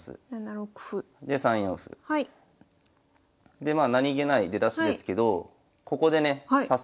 でまあ何気ない出だしですけどここでね早速。